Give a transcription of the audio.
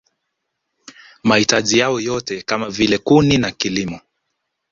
Mahitaji yao yote kama vile kuni na kilimo